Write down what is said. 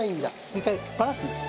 一回ばらすんです。